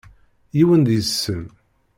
Yiwen deg-sen.